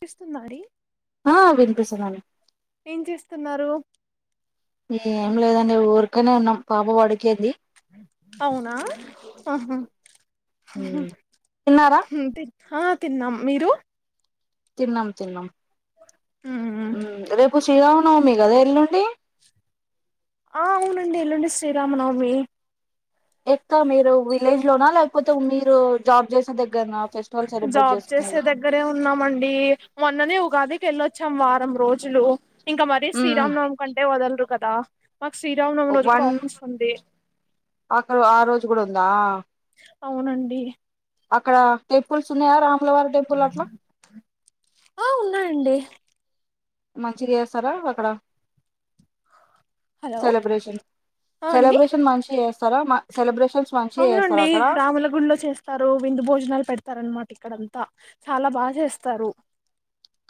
వినిపిస్తుందా అండి అ విన్ సండి ఏం చేస్తున్నారు ఏం లేదండి ఊరికనే ఉన్నాం పాప వాడికేంది అవునా ఆహా మ్ తిన్నారా ఉమ్ తిన్ ఆ తిన్నాం మీరు తిన్నాం తిన్నాం మ్ రేపు శ్రీరామనవమి కదా ఎల్లుండి. ఆ అవునండి ఎల్లుండి శ్రీరామనవమి ఎక్క మీరు విలేజ్ లోనా లేకపోతే మీరు జాబ్ చేసే దగ్గరనా ఫెస్టివల్ సెలబ్రేట్ జాబ్ చేసే చేసుకునేది దగ్గరే ఉన్నామండి మొన్ననే ఉ ఉగాది కేళ్ళొచ్చాం వారం రోజులు ఇంక మరీ శ్రీరామనవమి కంటే వదలరు కదా మాకు శ్రీరామనవమి ఒ రోజు కూడా వన్ ఆఫీస్ ఉంది ఆ ఆ రోజు కూడా ఉందా అవునండి. అక్కడ టెంపుల్స్ ఉన్నాయా రామ్ రాముల వారి టెంపుల్ అట్లా ఆ ఉన్నాయండి. మంచిగాచేస్తారా అక్కడ హలో సెలబ్రేషన్ ఆ అండి సెలబ్రేషన్ మంచిగా చేస్తారాన్న సెలబ్రేషన్ అవునండి రాముల గుళ్లో చేస్తారు విందు భోజనాలు పెడతారన్నమాట ఇక్ ఇక్కడంతా చాలా బాగా చేస్తారు.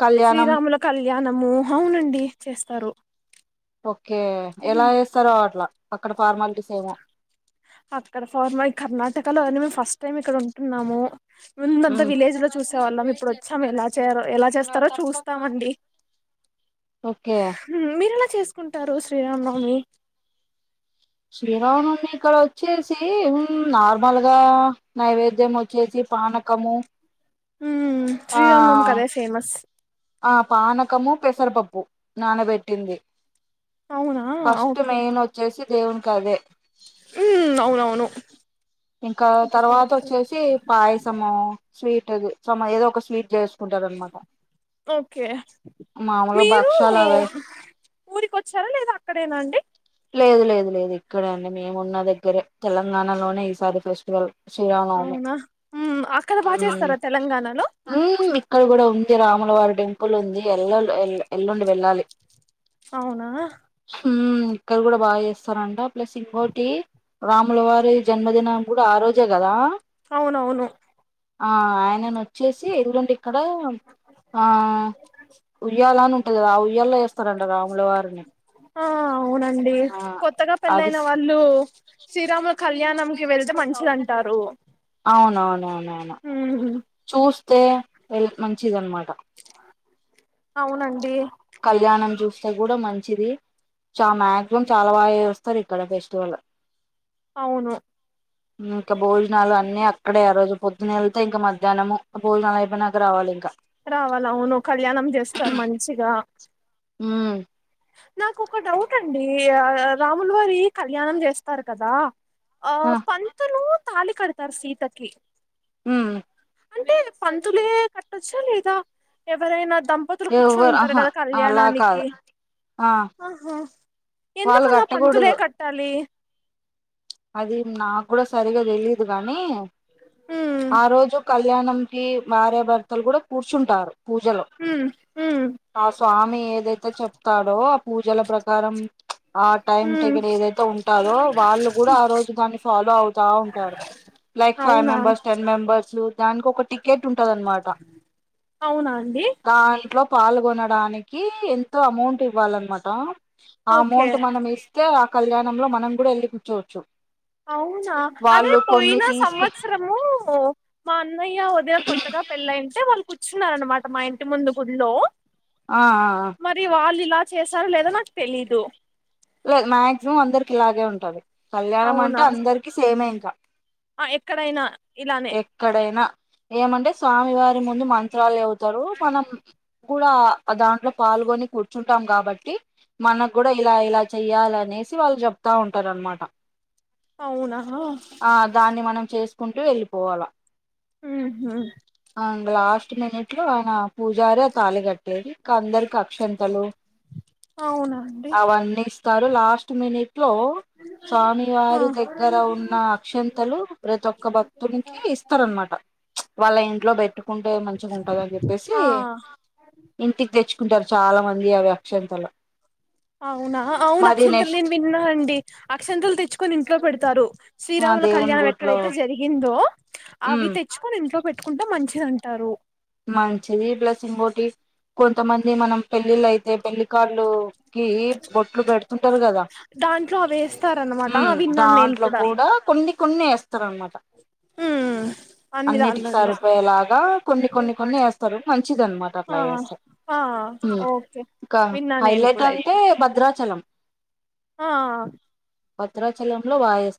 కళ్యాణం శ్రీరాముల కళ్యా కళ్యాణం అవునండి చేస్తారు. ఓకే ఎలా వస్తారో అట్లా అక్కడ ఫార్మాలిటీస్ ఏమో అత్తరుఫర్మై కర్ణటక లోని ఫస్ట్ టైం ఇక్కడ ఉంటున్నాము. ముందంత మ్మ్ విలేజ్ లో చూస వాళ్ళము ఇప్పుడు వచ్చాం ఎలా చేయ ఎలా చేస్తారో చూస్తామండి. ఓకే మీర్ మీరు చేసుకుంటారు శ్రీరామనవమి ఈరోజునుండి ఇక్కడ వచ్చేసి నార్మల్గా నైవేద్యం వచ్చేసి పానకము. హు ఆ శ్రీరామనవమి కదే ఫేమస్ ఆ పానకము పెసరపప్పు నానబెట్టింది. అవునా ఫస్ట్ ఓకే మెయిన్ వచ్చేసి దేవునికదే. మ్మ్ అవునవును ఇంకా తర్వాత వచ్చేసి పాయసము స్వీట్ ఉంటది మనం ఏదో ఒక స్వీట్ చేస్త స్కుంటరన్నమాట ఓకే మీరు అవే ఊరికి వచ్చారా లేదా అక్కడేనా అండి లేదు లేదు లేదు ఇక్కడ అండి మేము ఉన్న దగ్గరే తెలంగాణలోనే ఈసారి ఫెస్టివల్ శ్రీరామనవమి అవునా అక్కడ బాగ మ్మ్ చేస్తారా తెలంగాణలో ఉమ్ ఇక్కడ కూడా ఉంది రాములవారి టెంపుల్ ఉంది ఎల్ల ఎల్లుండి వెళ్ళాలి అవునా మ్ఇక్కడ కూడా బాగా చేస్తారంట ప్లస్ ఇంకోటి రాముల వారి జన్మదినం కూడా ఆ రోజే కదా అవునవును ఆ ఆయనను వచ్చేసి ఎళ్లుండి ఇక్కడ ఆ ఉయ్యాల అని ఉంటది గా ఆ ఉయ్యల్లో వేస్తారంట రాముల వారిని ఆ అవునండి ఆ కొత్తగా అది కళ్యాణం కి వెళ్తే మంచిది అంటారు అవునవునవునవును చూస్తే వె మంచి చిది అనమాట అవునండి కళ్యాణం చూస్తే కూడా మంచిది చ మాక్సిమం చాలా బాగా చేస్తారు ఇక్కడ ఫెస్టివల్ అవును [unintelligible] ఇక భోజనాలు అన్నీ అక్కడే ఆ రోజు పొద్దున్న వెళ్తే ఇంక మధ్యాహ్నము భోజనాలు అయిపోయినాక రావాలి ఇంకా రావాల అవును కళ్యాణం చేస్తారు మంచిగా హ నాకు ఒక డౌట్ అండి రాములు వారి కళ్యాణం చేస్తారు కదా ఆ పంతులు తాలి కడతారు సీతకి హ అంటే పంతులే కట్టొచ్చా లేదా ఎవరైనా దంపతులు కూర్చొని ఎవ్వరు ఉంటారు ఆహా కదా అలా కాదు కళ్యాణానికి ఆ బహ [inaudible] వాళ్ళు ఎందుకలా పంతులే కట్టకూడదు కట్టాలి అది నాకు కూడా సరిగా తెలీయదు కానీ ఉమ్ ఆ రోజు కళ్యాణం కి భార్యాభర్తలు కూడా కూర్చుంటారు పూజలు ఉమ్ ఉమ్ ఆ స్వామి ఏదైతే చెప్తాడో ఆ పూజల ప్రకారం ఆ టైమ్ ఉమ్ టగల్ ఏదైతే ఉంటాదో వాళ్ళు కూడా ఆ రోజు దాన్ని ఫాలో అవుతా ఉంటారు లైక్ ఫైవ్ అవునా మెంబెర్స్ టెన్ మెంబర్ దానికి ఒకటి గేటుఉంటది అన్నమాట అవునా అండి దాంట్లో పాల్గొనడానికి ఎంతో అమౌంట్ ఇవ్వాలన్నమాట ఆ ఓకే అమౌంట్ మనం ఇస్తే ఆ కళ్యాణం లో మనం కూడా వెళ్ళిపో చో చో అవునా అదే పోయిన తీసుకు సంవత్సరము మా అన్నయ్య వదిన కొత్తగా పెళ్ళయింటే వాళ్ళు కూ కూర్చున్నారనమాట మా ఇంటి ముందు గుళ్లో ఆ చేశారో లేదో నాకు తెలీదు మ్యాగ్జీమామ్ అందరికి ఇలాగే ఉంటది కళ్యాణం అంటే అవునా అందరికి సేమే ఇంకా ఆ ఎక్కడైనా ఇలానే ఎక్కడైనా ఏమంటే స్వామివారి ముందు మంత్రాలు చ తరు మనం కూడా దాంట్లో పాల్గొని కూర్చుంటాం కాబట్టి మనకు కూడా ఇలా ఇలా చెయ్యాలనేసి వాళ్ళు చెప్తా ఉంటారు అనమాట అవునా ఆ దాన్ని మనం చేసుకుంటూ వెళ్ళిపోవాల ఆ హ అ లాస్ట్ మినిట్లో అలా పూజార ఆ తాలి కట్టేది ఇకా అందరికి అక్షంతలు అవునా అండి అవన్నీ కరు లాస్ట్ మినిట్ ఇంట్లో స్వామి ఆ వారి దగ్గర ఉన్న అక్షంతలు ప్రతి ఒక్క భక్తునికి ఇస్తారనమాట వాళ్ళ ఇంట్లో పెట్టుకుంటే మంచిగా ఉంటంద అని చెప్పేసి ఆ ఇంటికి తెచ్చు కుంటారు చాలా మంది అవి అక్షంతలో అవునా అవును అక్షంతలు నేను విన్నా అండి అక్షంతలు తెచ్చుకొని ఇంట్లో పెడతారు ఆ శ్రీరాముల దేవుని కళ్యాణం గుట్లో ఎక్కడైతే జరిగిందో అవి ఉమ్ తెచ్చుకొని ఇంట్లో పెట్ పెట్టుకుంటే మంచిది అంటారు మంచిది బ్లస్సింగ్ గోటి కొంతమంది ఇది మనం పెళ్ళిళ్ళ అయితే పెళ్లి కార్డ్స్ కి బొట్లు పెడుతుంటారు కదా దాంట్లో అవి వేస్తారనమాట విన్నాను నేను దాంట్లో కూడా కొన్ని కొన్ని నమాట అన్ని అన్నిటికి దాన్లల్లో సరిపోయేలాగా కొన్ని కొన్ని కొన్ని వేస్తారు మంచిది అనమాట అట్లా ఆ వేస్తే ఆ హ్మ్మ్ ఓకే ఇంకా విన్నా నేను హైలైట్ కూడా ఇది అంటే భద్రాచలం ఆ భద్రాాచలంలో వాయస్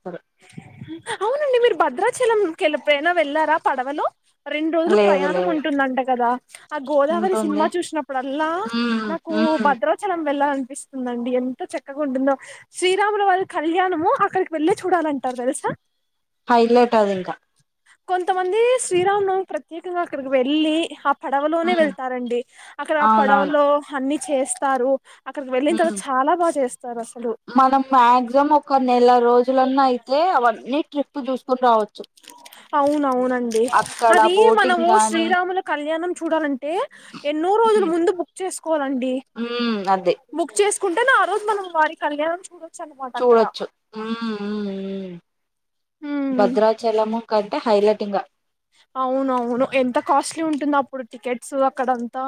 అవునండి మీరు భద్రాచలం కెలుప్పుైనా వెళ్ళారా పడవలు రెండు రోజులు లేదు ప్రయాణం లేదు ఉంటుందంట. గాదా ఆ గోదావరి సినిమా ఉంటుంది చూసినప్పుడల్లా ఉమ్ నాకు ఉమ్ భద్రాచలం వెళ్ళాలీ. వినిపిస్తుందండి ఎంత చక్కగా ఉంటుందో శ్రీరాములవారి కళ్యాణము అక్కడికి వెళ్ళి చూడాలంటారు తెలుసా హైలైట్ అది ఇంకా కొంతమంది శ్రీరామనవమి ప్రత్యేకంగా అక్కడికి వెళ్ళి పడవలోనే ఉమ్ వెళ్తారండి. అక్కడ పడవలో అన్ని చేస్తారు అక్కడికి వెళ్ళిన ఉ తర్వాత చాలా బాగా చేస్తారు అసలు మనం మాక్సిమం ఒక నెల రోజులన్నా అయితే అవన్నీ ట్రిప్ చూసుకుని రావచ్చు. అవునవునండి. అక్కడ అది బోటింగ్ మనము గానీ శ్రీరాముల కళ్యాణ్ మనం చూడాలం టె ఎన్నో రోజుల ఉమ్ ముందు బుక్ చేసుకోవాలండి ఉమ్ అదే బుక్ చేసుకుం కుంటేనే ఆరోజు మనం వారి కల్యాణం చూడొచ్చు. అనమాట అక్కడ చూడొచ్చు హ్ ఉ ఊ ఉమ్ భద్రాచలమా కంటే హైలెట్ ఇంగ అవునవును ఎంత కాస్ట్లీ ఉంటుందో అప్పుడు టికెట్స్ అక్కడంతా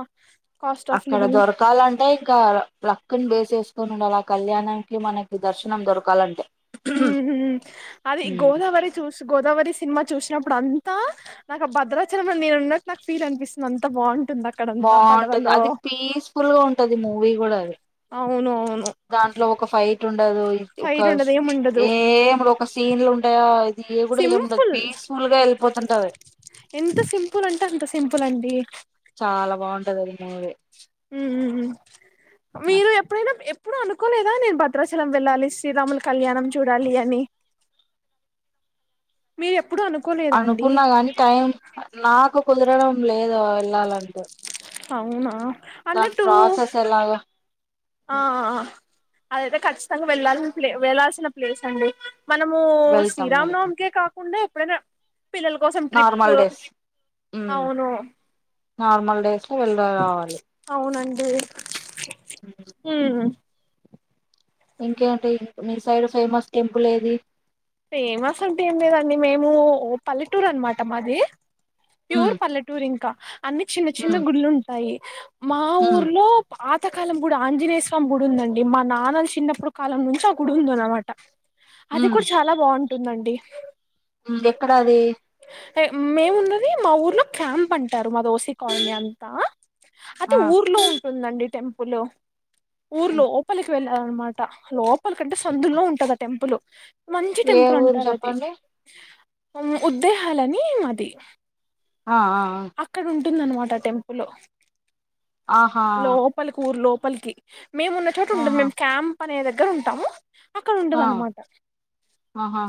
కాస్ట్ ఆఫ్ అక్కడ లివింగ్ దొరకాలంటే ఇంకా లక్కు ని బేస్ చేసుకోని నుండాల ఆ కళ్యాణం కి మనకి దర్శనం దొరకాలంటే అది గోదావరి చూసి గోదావరి సినిమా చూసినప్పుడు అం త నకు ఆ భద్రాచలం లో నేనున్నట్టు నాకు ఫీల్ అనిపిస్తుంది. అంత బాగుం బాగుంటుంది అది పీస్ఫుల్ గా ఉంటది మూవీ కూడా అది అవును అవును దాంట్లో ఒక ఫైవ్ ఉండదు. ఇక ఒక ఫైట్ ఉండదు ఏం ఉండదు ఏమ్ ఉండదు. ఒక సీన్ ఉంటది అది కూడా ఏమి ఉండదు సింపుల్ ఫీస్ ఫూల్ గా వెళ్ళిపోతుంటది. ఎంత సింపుల్ అంటే అంత సింపుల్ అండి చాలా బాగుంది [unintelligible] నువ్వే హ్ హ్ హు మీరు ఎప్పుడైనా ఎప్పు ప్పుడు అనుకోలేదా నేను భద్రాచలం వెళ్ళాలి. శ్రీరాముల కళ్యాణం చూడాలి. అని మీరే ప్ అనుకున్నా కాని టైం నాకు కుదరడం. లేదు వెళ్ళాలంటే అవునా దాని అన్నట్టు ప్రాసెస్ ఎలాగ అదయితే ఖచ్చితంగా వెళ్ళాల్సిన ప్లే వెళ్లాల్సిన ప్లేస్ అండి మనము వెళ్తాం శ్రీరామ్ వెళ్తాం నవమికే కాకుండా ఎపుడైనా పిల్లల కోసం ట్రిప్పు నార్మల్ డేస్ ఉమ్ అవును నార్మల్ డేస్ ఏలా రావాలి [unintelligible] హ్మ్ ఇంకేంటి మీ సైడ్ ఫేమస్ టెంపుల్ ఏది ఫేమస్ అంటే ఏం లేదండి మేము పల్లెటూరు అన్న మాట మాది ఉమ్ ప్యూర్ పల్లెటూర్ ఇంకా అన్ని చిన్న చిన్న ఉమ్ గుళ్ళుంటాయి మా ఉమ్ ఊర్లో పా కొంతకాలం కూడా ఆంజనేయ స్వామి గుడి ఉందండి మా నాన్నలు చిన్నప్పుడు కాలం నుంచి ఆ గుడి ఉందన్నమాట అది ఉమ్ కుడా బావుంటుందండి ఎక్కడ అది మేమున్నది మా ఊర్లో క్యాంప్ అంటారు మాది ఓసీ కాలనీ అంతా అది ఆ ఊర్లో ఉ ఉందండి టెంపులు ఊరు ఉమ్ లోపలికి వెల్ల అన్నమాట లోప్ లోపల కంటే సందులో ఉంటదా టెంపుల్ మంచి ఏ టెంపుల్ ఊరు అంటారు అది చెప్పండి ఉద్దేహాల్ అని మాది ఆ ఆ ఆ ఉంటుందన్నమాట టెంపు లు ఆ ఆహా లో పల కి ఊర్ లో పల్కి మేము ఉన్న చోట ఉండదు ఆహా మేము క్యామ్ పనే దగ్గర ఉంటాము అక్కడ ఉంటద ఆ అన్నమాట ఆహా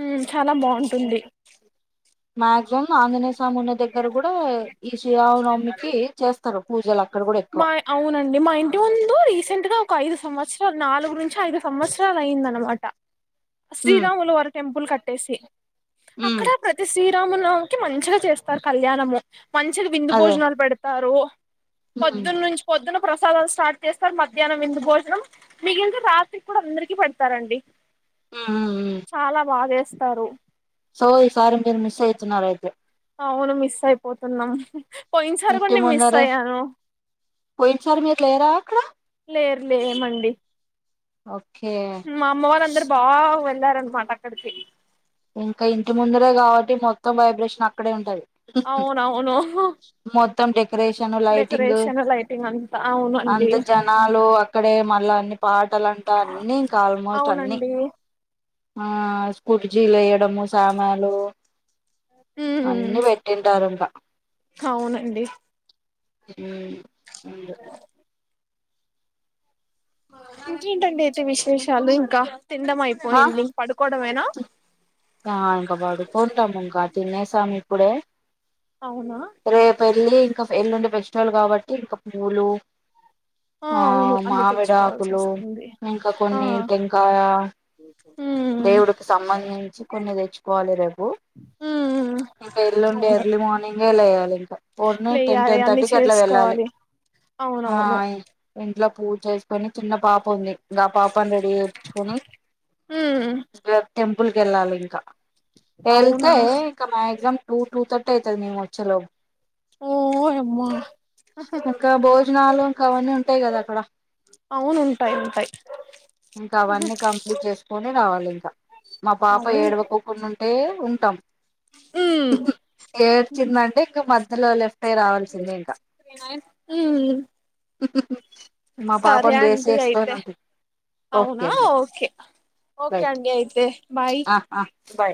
హ్మ్ చాలా బావుంటుంది మా సేమ్ ఆంజనేయ స్వామి ఉన్న దగ్గర కూడా ఈ శ్రీరామనవమికి చేస్తారు పూజల మా అవునండి, మా ఇంటి ముందు రీసెంట్ గా ఒక ఐదు సంవత్సరాలు నాలుగు నుంచి ఐదు సంవత్సరాలు అయింద అన్నమాట ఉమ్ శ్రీరాములు వారి టెంపుల్ కట్ టెసి ఉమ్ అక్కడ ప్రతి శీ శ్రీరామునవమికి మంచిగా చేస్తారు కళ్యాణము. మంచిగా విందు అదే భోజనాలు పెడతారు. ఉమ్ పొద్దున్న నుంచి పొద్దున్న ప్రసాదాలు స్టార్ట్ చేస్తారు. మధ్యాహ్నం విందు భోజనం, మిగిలితే రాత్రి కూడా అందరికి పెడతారండి. ఉ ఉ ఊ ఇస్తారు సో ఈ సారి మీరు మిస్సవుతున్నారు ఐతే అవును మిస్ అయిపోతున్నాం పోయిన సారి కూడా ఇంటి నేను మిస్ ముందరే అయ్యాను పోయిన సారి మీరు లేరా అక్కడ లేదు లేమండి ఓక్ మా అమ్మ వాళ్ళ అందరు బాగా వేల్ ళ్లారనమాట అక్కడికి ఇంకా ఇంటి ముందురే కాబట్టి మొత్తం వైబ్రేషన్ అక్కడే ఉంటది అవునవును మొత్తం డెకరేషన్ లైటింగ్ డెకొరేషన్ లైటింగ్ అంతా అవును అండి ఇక్కడే మళ్ళా అన్ని పాటలాంటా అన్ని ఇంకా ఆల్మోస్ట్ అన్ని అవునండి ఆ స్కూటి జీలు వేయడము సామాలు ఉమ్ అన్నీ పెట్టింటారు ఇంకా అవునండి ఉ అంట ఇంకేంటండి అయితే విశేషాలు ఇంకా తినడం ఆ అయిపోయింది పడుకోవడమేనా ఆ ఇంకా పడుకుంటాం ఇంకా తినేసాము ఇప్పుడే అవునా వెలి ఇంకా ఎల్లుండి వెజిటబుల్ కాబట్టి ఇంకా పూలు ఆ అవును అన్ని మామిడ తెచ్చుకోవాల్సి ఆకులు వస్తుంది ఇంకా ఆ కొన్ని టెంకాయ ఉమ్ దేవుడికి సంబంధించి కొన్ని తెచ్చుకోవాలి రేబు ఉమ్ ఇంకా ఎల్లుండి అవును ఎర్లీ మార్నింగేలాయాలి పూర్న టెన్ లేయాలి టెన్ అన్ని థర్టీకి అట్లా వెళ్ళాలి చేసుకోవాలి అవునవును ఆయి ఇంట్లో పూజ చేసుకొని చిన్న పాప ఉంది ఇ పాపని రెడీ చేచ్చుకొని ఉమ్ ఇ టెంపుల్ క వెళ్ళాలి ఇంకా అవునా వెళ్తే ఇక మక్జామ్ టూ టూ థట్ అవుతుది మీము వచ్చే లోపల ఓయమ్మా ఇంకా భోజనాలు ఇంకా అవన్నీ ఉంటాయి కదా అక్కడ అవును ఉంటాయి ఉంటాయి ఇ చేసుకొని రావాలి ఇంకా మా పాప అవును ఏడవకోకుండా ఉంటే ఉంటాం ఉమ్ ఏడ్చిందండి ఇంకా మధ్య ఊ ఉ మా పాాపను బేసి వస్తాన అయితే ఓకే అవునా అండి ఓకే ఓకే రైట్ అండి అయితే బాయ్ ఆ ఆ బాయ్